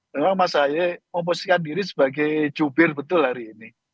memang mas ahy memposisikan diri sebagai jubir betul hari ini